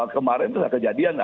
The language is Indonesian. kemarin itu adalah kejadian